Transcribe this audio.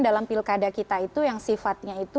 dalam pilkada kita itu yang sifatnya itu